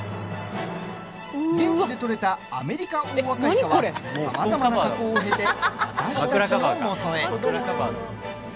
現地で取れたアメリカオオアカイカはさまざまな加工を経て私たちのもとへ。